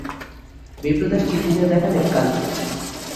বিপ্রদাস চিঠিটা দেখালে কালুকে।